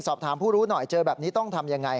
สอบถามผู้รู้หน่อยเจอแบบนี้ต้องทำอย่างไร